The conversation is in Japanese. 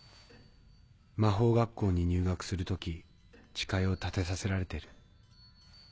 魔法学校に入学する時誓いをたてさせられてる。